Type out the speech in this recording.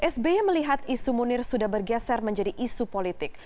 sby melihat isu munir sudah bergeser menjadi isu politik